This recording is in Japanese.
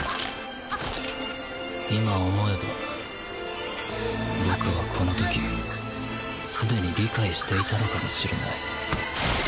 今思えば僕はこの時すでに理解していたのかもしれない。